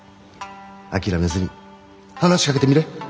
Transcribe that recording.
諦めずに話しかけてみれ。